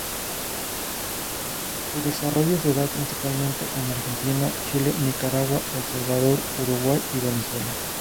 Su desarrollo se da principalmente en Argentina, Chile, Nicaragua, El Salvador, Uruguay y Venezuela.